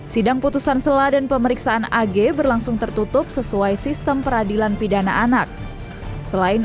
sidang putusan sela dan pemeriksaan ag berlangsung tertutup sesuai sistem peradilan pidana anak selain